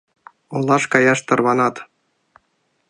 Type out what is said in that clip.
Олаш каяш тарванат.